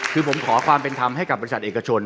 คือผมขอความเป็นธรรมให้กับบริษัทเอกชน